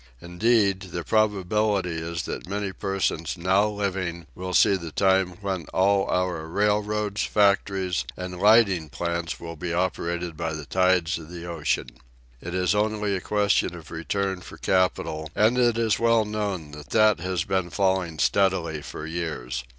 Indeed the prob ability is that many persons now living will see the time when all our railroads, factories, and lighting plants will be operated by the tides of the ocean. It is only a question of return for capital, and it is well known that that has been falling steadily for years.